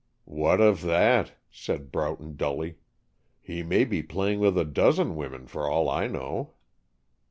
"What of that?" said Broughton dully. "He may be playing with a dozen women for all I know."